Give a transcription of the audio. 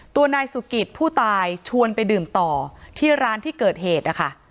ตัวนายสุกิตผู้ตายชวนไปดื่มต่อที่ร้านที่เกิดเหตุนะคะ